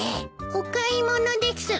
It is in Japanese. お買い物です。